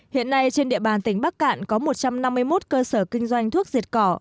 hiện nay trên địa bàn tỉnh bắc cạn có một trăm năm mươi một cơ sở kinh doanh thuốc diệt cỏ